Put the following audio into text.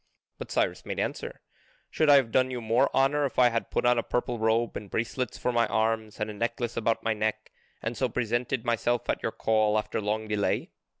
But Cyrus made answer: "Should I have done you more honour if I had put on a purple robe, and bracelets for my arms, and a necklace about my neck, and so presented myself at your call after long delay?